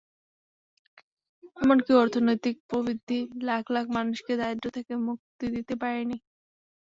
এমনকি অর্থনৈতিক প্রবৃদ্ধি লাখ লাখ মানুষকে দারিদ্র্য থেকে মুক্তি দিতে পারেনি।